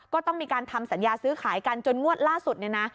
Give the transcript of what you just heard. ก็ต้องมีการทำสัญญาซื้อขายกันจนงวดล่าสุด